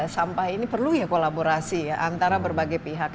sampah ini perlu ya kolaborasi ya antara berbagai pihak